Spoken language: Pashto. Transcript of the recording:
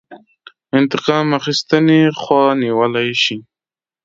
انتقام اخیستنې خوا نیولی شي.